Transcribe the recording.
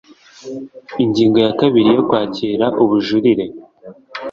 ingingo ya kabiri yo kwakira ubujurire